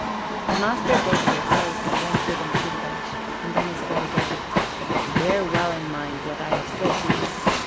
The master gave him a place, and went with him to the bench. Then he said again :* "Bear well in mind what I have said to you.